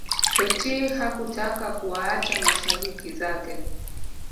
Totti hakutaka kuwaacha mashabiki zake